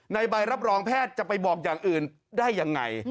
ใบรับรองแพทย์จะไปบอกอย่างอื่นได้ยังไง